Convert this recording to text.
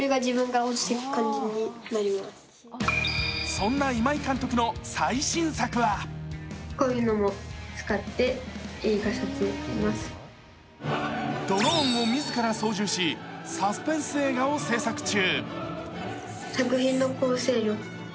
そんな今井監督の最新作はドローンを自ら操縦しサスペンス映画を制作中。